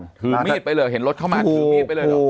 ถือมีดไปเลยเห็นรถเข้ามาถือมีดไปเลยเหรอ